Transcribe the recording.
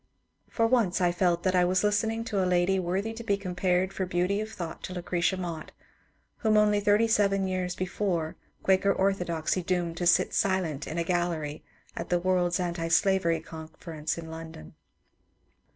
For once I felt that I was listening to a lady worthy to be compared for beauty of thought to Lucretia Mott, whom only thirty seven years before Quaker orthodoxy doomed to sit silent in a gal lery at the World's Antislavery Conference in London.